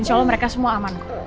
insya allah mereka semua aman